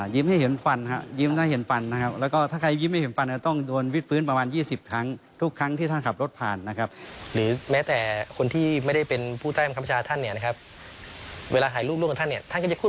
แต่อีกมุมหนึ่งของกองพันธุ์เสนารัก